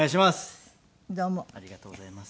ありがとうございます。